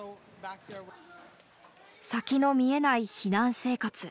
先の見えない避難生活。